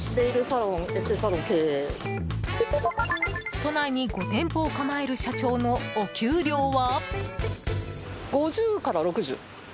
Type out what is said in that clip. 都内に５店舗を構える社長のお給料は？